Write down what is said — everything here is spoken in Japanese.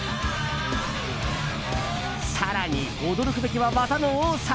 更に、驚くべきは技の多さ。